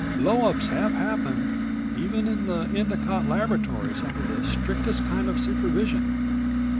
Blowups have happened ... even in the Endicott Laboratories under the strictest kind of supervision."